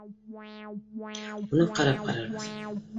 Унан ҡарап ҡарарбыҙ